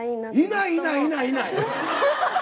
いないいないいないいない！